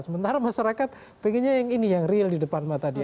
sementara masyarakat pengennya yang ini yang real di depan mata dia